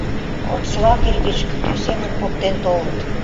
Концлагерь гыч кӱтӱ семын поктен толыт.